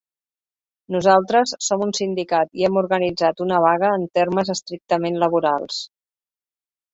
Nosaltres som un sindicat i hem organitzat una vaga en termes estrictament laborals.